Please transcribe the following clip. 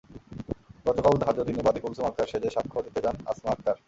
গতকাল ধার্য দিনে বাদী কুলছুম আক্তার সেজে সাক্ষ্য দিতে যান আছমা আক্তার।